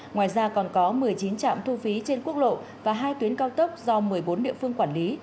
ngoài ra còn có một mươi chín trạm thu phí trên quốc lộ và hai tuyến cao tốc do một mươi bốn địa phương quản lý